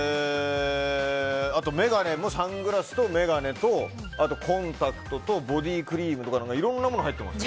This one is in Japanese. あと、眼鏡とサングラスとコンタクトとボディークリームとかいろいろなものが入ってます。